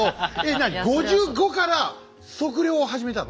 何５５から測量を始めたの？